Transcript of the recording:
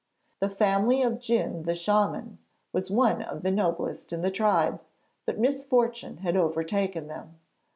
The family of Djun the shaman was one of the noblest in the tribe, but misfortune had overtaken them.